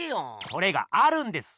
それがあるんです！